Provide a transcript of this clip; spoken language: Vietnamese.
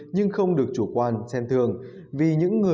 nhưng không được chủ quan xem thường